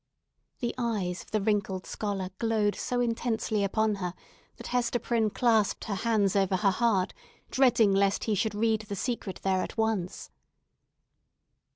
The eyes of the wrinkled scholar glowed so intensely upon her, that Hester Prynne clasped her hand over her heart, dreading lest he should read the secret there at once.